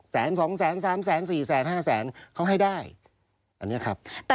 สองแสนสามแสนสี่แสนห้าแสนเขาให้ได้อันนี้ครับ